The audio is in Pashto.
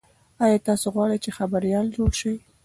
ایا تاسي غواړئ چې خبریال جوړ شئ؟